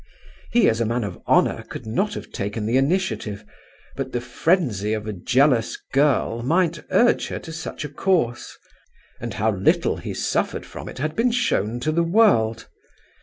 He, as a man of honour, could not have taken the initiative, but the frenzy of a jealous girl might urge her to such a course; and how little he suffered from it had been shown to the world.